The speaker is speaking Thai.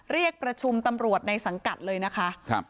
เรียกประชุมตำรวจในสังกัดเลยนะคะ